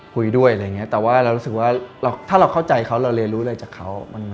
คุยด้วยอะไรอย่างเงี้ยแต่ว่าเรารู้สึกว่าถ้าเราเข้าใจเขาเราเรียนรู้อะไรจากเขา